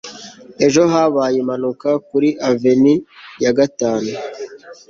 ejo habaye impanuka kuri avenue ya gatanu